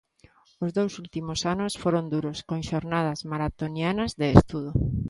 Os dous últimos anos foron duros, con xornadas maratonianas de estudo.